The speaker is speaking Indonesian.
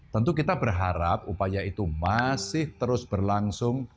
tentu kita berharap upaya itu masih terus berlangsung